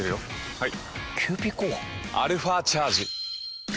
はい。